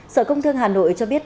sở công thương hà nội cho biết